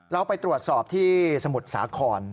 เราไปตรวจสอบที่สมุทรสาคร